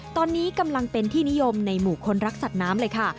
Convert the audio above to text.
ตอนนี้กำลังเป็นที่นิยมในหมู่คนรักสัตว์น้ำเลยค่ะ